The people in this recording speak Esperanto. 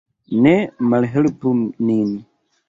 Ne malhelpu nin.